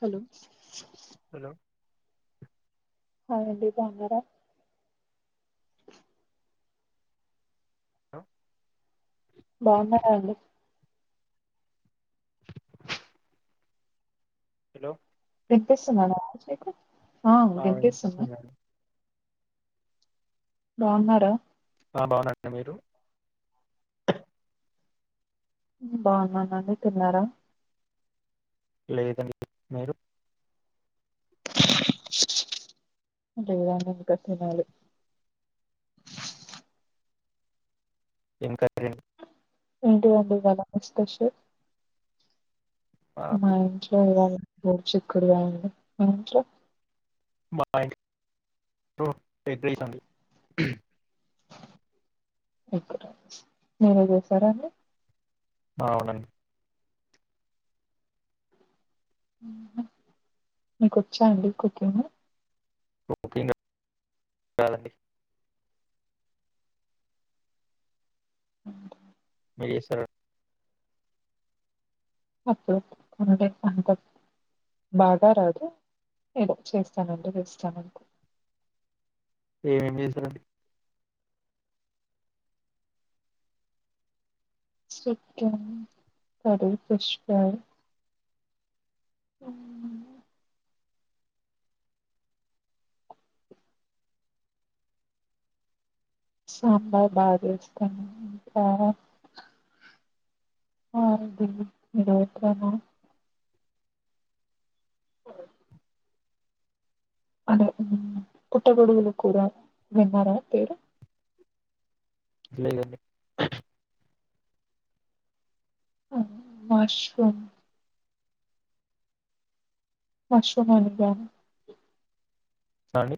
Hello hello hi అండి బాగున్నార బాగున్నార అండి హలో వినిపిస్తుంద నా వాయిస్ మీకు ఆ వినిపిస్తుంది బాగున్నార ఆ బాగున్న అండి మీరు ఉ బాగున్నానండి తిన్నార లేదండి మీరు లేదండి ఇంకా తినాలి ఇంక ప్రియన్ ఏంటి వండినారు మీర్ స్పెషల్ ఆ మా ఇంట్లొ గొడుచిక్కుడుగాయ అండి మీ ఇంట్లొ మా ట్లో ఎగ్ రైస్ అండి ఇక్కడ మీరే జేసారా అండి ఆవునన్ మ్మ్ మ్మ్ మీక్కొచ్చా అండి కుకింగు కుకింగా రాదండి హ్మ్ మీరేస్సరా [unintelligible] బాగారాదు ఏదో చేస్తానండి [unintelligible] ఏం చేసారండి చికెన్ మరి ఫిష్ ఫ్రై హ్మ్ సాంబార్ బాగజేస్తానంది ఇంకా ఆ అంటుంది మీర్ ఒకే నా ఓ అంటే హ్మ్ పూట్టగోడుగులకూరా విన్నార పేరు లేదండి హ్మ్ మష్రూమ్ మష్రూమ్ అండుతాను తండి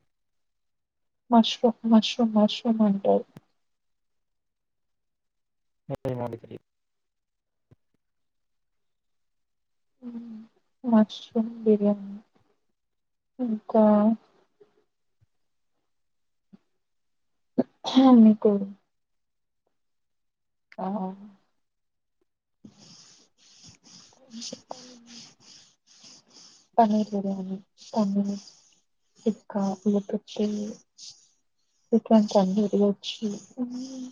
మష్రూ మష్రూమ్ మష్రూమ్ అంటరు మధేం [unintelligible] ఉమ్, మష్రూమ్ బిర్యానీ ఇంకా హా మికోడుం ఆ చెప్పాలి అండి పన్నీర్ బిర్యానీ పనీరు ఇంకా [unintelligible] ఇకెంతండి ఈరోజు హ్మ్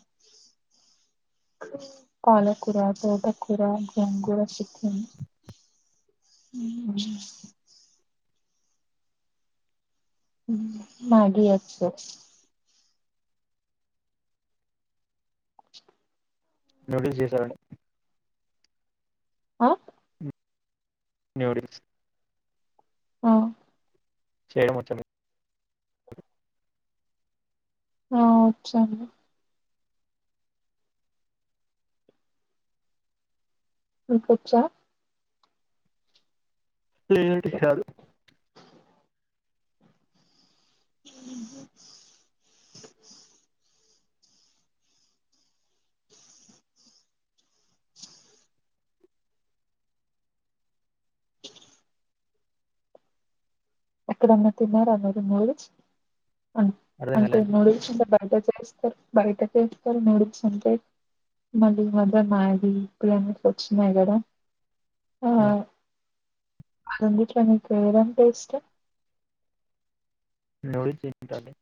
పాలకుర తోటకుర గోంగూర చికెన్ హ్మ్ హ్మ్ మధియిచు నూడిల్స్ జేసరండి అ నూడుల్స్ హ్మ్ చెడమోచా మీ ఆ ఓచ్చండీ మికొచ్చ లేదండి రాదు ఉహ్మ్ ఎక్కడన్నా తిన్నార మీరు నూడిల్స్ అ అర్థం కాలే అంటే అండి నూడిల్స్ ఆంటె బయట బైట చేస్తారు నూడిల్స్ అంటే మళ్ళీ ఇ మధ్య మ్యాగీ ఇప్పీ అని కొన్ని వచ్చినాయి కదా ఆ అన్నిట్లో నీకు ఎదంటే ఇష్టం నూడిల్స్ ఇష్టం అండి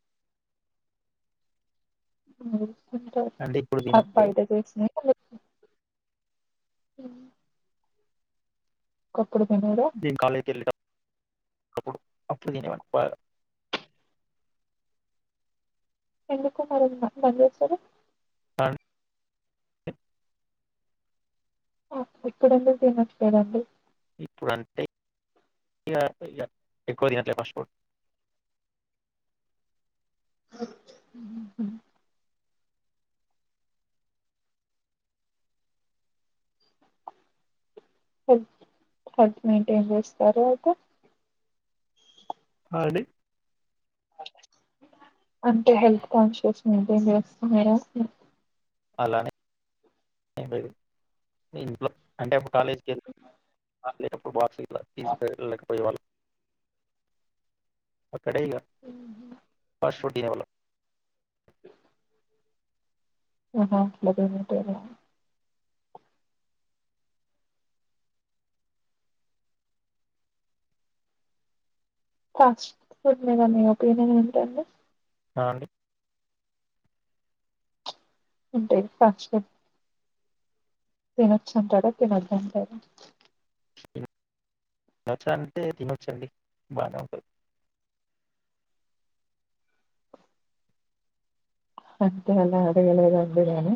హ్మ్ తింటారు అంటే ఇప్పుడు ఆ తినట్లే బాయిట చేసినా హ్మ్ నేన్ కలెకెళ్ళేటప్ అపుడు అప్పుడు దినేవన్ని బాగా ఎందుకు మరి బ-బంద్ జేసారు అ హ ఇక్కడుండే తినొచ్చు కదండి ఇప్పుడంటే ఇగా ఎక్కువ తినట్లే ఫాస్ట్ ఫుడ్ ఉహ్ ఉహ్ హెల్త్ హెల్త్ మెయింటైన్ చేస్తారా అయితే ఆ అండి అంటే హెల్త్ కాన్షియస్ మెయింటైన్ చేస్తునారా అంటున్న అలానే ఏం లేదు ఇంట్లో అంటే అప్పుడు కాలేజీకి వెళ్ళే అప్పుడు బాక్సుగిట్ల తీసుకే ళ్లకపోయేవలం అక్కడే ఇగా ఫాస్ట్ ఫుడ్ తినేవాళ్ళం ఆహా అట్లదినేటోళ్ళ ఫాస్ట్ ఫుడ్ మీద మీ ఒపీనియన్ ఏంటండి అ అండి అంటే ఫాస్ట్ ఫుడ్ తినొచ్చంటార తినొద్ధాంటార తిన్నొచ్చ అంటే తినొచ్చండి బానే ఉంటది అంటే అలా అడగలేదండి నేను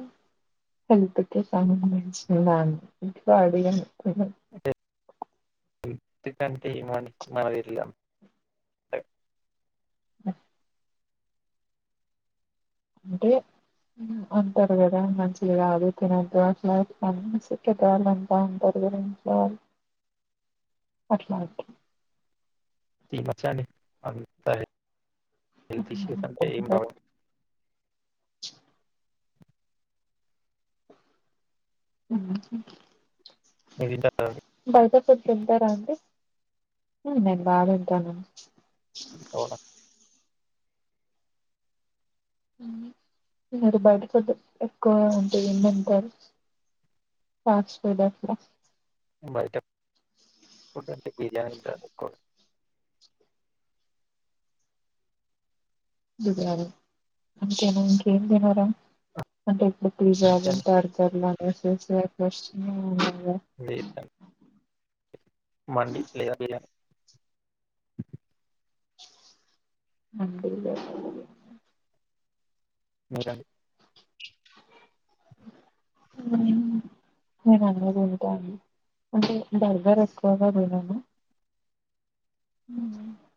హెల్త్ కి సంబంధించిన దాంట్లో అడిగాను నేను అంటే హెల్త్ కి అంటే ఏమో అండి నాకు తెలీదు అంటే మ్ అంటే అంటరు కదా మంచిది గాదు తినొద్దు అట్ల ఇట్ల అని పెద్దవాళ్ళు అంట ఉంటా అట్ల ఓకే తినొచ్చండి అంత ఏ హెల్త్ ఇష్యూస్ అంటే ఏం ఉమ్. రావ్ ఊహు మీరు తింటారా అండి తింటార అండి మ్ నేను బాగ తింటాను అవునా మ్ బయట ఫుడ్ ఎక్కువగా అంటే ఏం తింటారు ఫాస్ట్ ఫుడ్ అట్ల బయట ఫుడ్ అంటే బిర్యానీ తింటాను ఎక్కువగా బిర్యానీ అంతేనా ఇంకేం తినరా అంటే అంటే అంతే పిజ్జాలు అండి బర్గర్లు [unintelligible] లేదం మండి లేద బిర్యానీ మండి లేదా బిర్యానీ మీరండీ నేను నేను అన్ని తింటాను అంటే బర్గర్ ఎక్కువగా తినను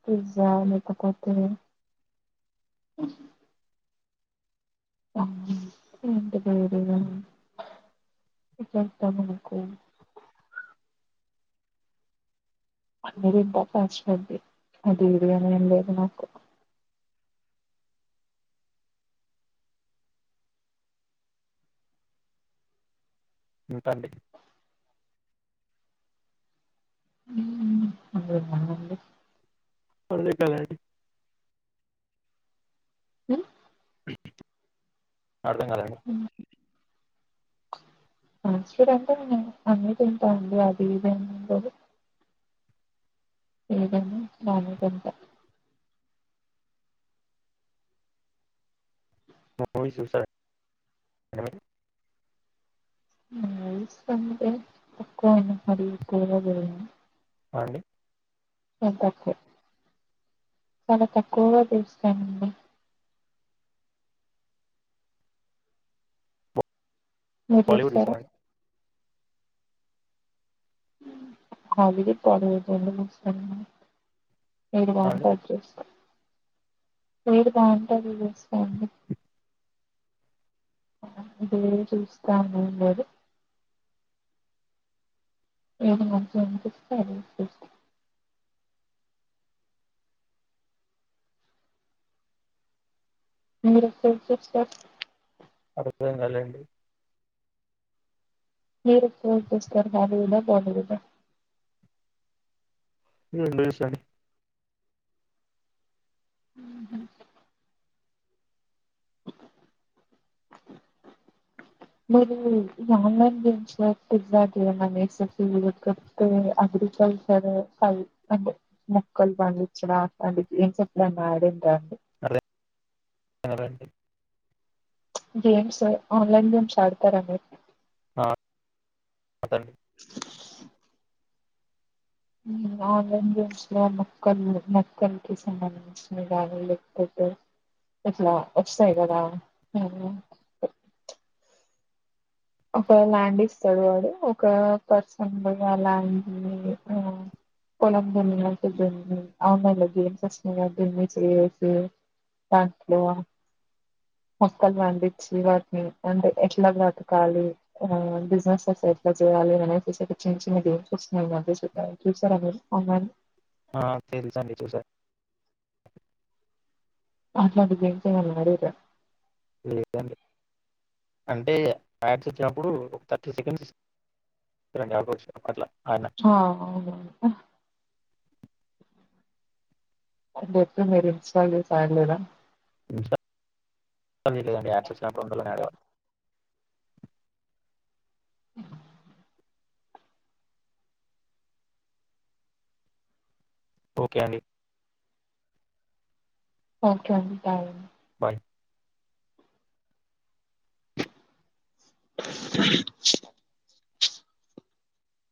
పిజ్జా లేకపోతే అంతేమ్ పెద్దగా తినను ఇచసనుముకు అన్ని తింట ఫాస్ట్ ఫుడ్ అది ఇది అని ఏం లేదు నాకు ఎంతండి ఉమ్ అందులో ఉన్నానండి ఒళ్లికాలాన్ డి హ్ హ్మ్ ఆడుదాం కదాండి. ఉమ్ ఫాస్టుఫుడ్ అంటే అన్నీ తింటామండీ అది ఇది ఏం ఉండవు. ఇవ్వన్ని మానుకుంటా. మూవీస్ చూస్తారా అండి మీరు మూవీస్ అంటే తక్కువనే మరి ఎక్కువగా చూడను అండి చాల్ తక్కువ చాలా తక్కువగా చూస్తానండి మీరు బాలీవుడ్ చూస్తారా? చూస్తారండి అండి మ్ ఆవిడా [unintelligible] ఏది ఆ! అండి. బావుంటాయి చూస్తాం. ఏది బావుంటే అది చూస్తాము. అదే చూస్తామని లేదు. ఏది మంచి అనిపిస్తే అదే చేస్ మీరు పెంచొచ్చుగా అడుగను లెండి మీరు చుస్తారు బాబు మీద బాబు మీద ఏ లేసడి ఉహ్ మరి [unintelligible] [unintelligible] అండ్ మొక్కలు పండించడం అండ్ గిలంప్స్ ఎపుడైనా ఆడిండ్రారండి రె సరే రండి ప్చ్ గేమ్స్ ఆ ఆన్లైన్ గేమ్స్ ఆడతారండి? ఆ అదం నేను ఆన్లైన్ గేమ్స్ లో మొక్కలు మొక్కలకి సంబందించిన దానిలో కొ ఇట్లా వస్తాయి కదా అవునా ఒక ల్యాండ్ ఇస్తాడు వాడు ఒక పర్సన్గా ల్యాండ్ ఆ పోలం దన్నకి ఇచ్చుంటుంది. ఆన్లైన్లో గేమ్స్ వస్తున్నాయి కదా దునేసి ఎత్తి పండు మొక్కలు పండిచడానికి ఇబ్బంది ఎట్లా అన్నాడు. కాలు ఆ బిజినెస్ ఎట్లా చేయాలి అనేసి చిన్న చిన్న గేమ్స్ వస్తునాయి కదా. చూసారా మీరు ఓ మెన్ ఆ తెలుసండి చూసాను అట్లాంటి గేమ్స్ లేవు న్నను అడుగుతే లేదండి అంటే యాడ్స్ వచ్చినప్పుడు ఒక థర్టీ సెకండ్స్ రండి యాగోచి అట్లా ఆయన ఆ అవునువును అంట అ గేమ్స్ మీరు ఇన్స్టాల్ చేసి అడలేదా? స లేదండి ఎక్సస్ నాకుందిలే అని యాడ్ అవ్వలే ఉహు ఒకే అండి ఒకే అండి బాయ్ బాయ్